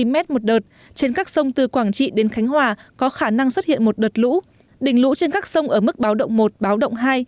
một m một đợt trên các sông từ quảng trị đến khánh hòa có khả năng xuất hiện một đợt lũ đỉnh lũ trên các sông ở mức báo động một báo động hai